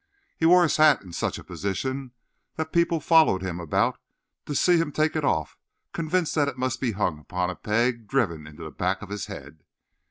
He wore his hat in such a position that people followed him about to see him take it off, convinced that it must be hung upon a peg driven into the back of his head.